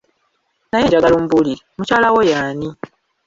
Naye njagala ombuulire, mukyala wo y'ani?